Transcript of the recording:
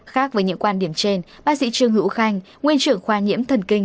khác với những quan điểm trên bác sĩ trương hữu khanh nguyên trưởng khoa nhiễm thần kinh